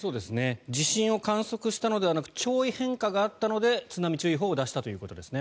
地震を観測したのではなく潮位変化があったので津波注意報を出したということですね。